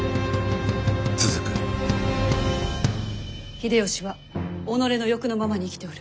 秀吉は己の欲のままに生きておる。